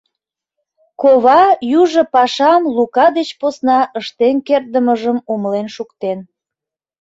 Кова южо пашам Лука деч посна ыштен кертдымыжым умылен шуктен.